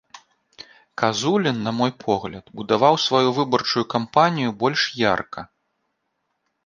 Казулін, на мой погляд, будаваў сваю выбарчую кампанію больш ярка.